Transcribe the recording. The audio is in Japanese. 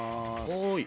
はい。